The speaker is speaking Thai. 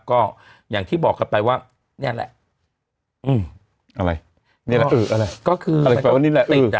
ก็อย่างที่บอกกันไปเนี่ยแหละมีความสุขนั้นก็คือติดอ่ะ